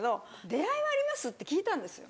出会いはあります？って聞いたんです。